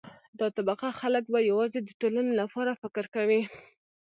دا طبقه خلک به یوازې د ټولنې لپاره فکر کوي.